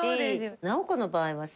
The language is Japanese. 直子の場合はさ